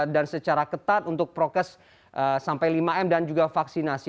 dan secara ketat untuk prokes sampai lima m dan juga vaksinasi